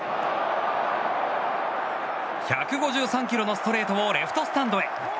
１５３キロのストレートをレフトスタンドへ！